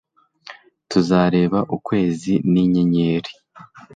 tuzareba ukwezi n'inyenyeri